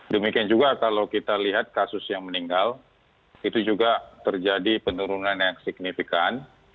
demikian juga kalau kita lihat kasus yang meninggal itu juga terjadi penurunan yang signifikan